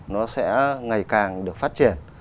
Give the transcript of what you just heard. nó sẽ ngày càng được phát triển